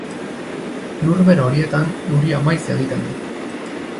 Lur bero horietan euria maiz egiten du.